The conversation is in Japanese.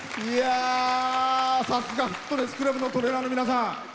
さすがフィットネスクラブのトレーナーの皆さん。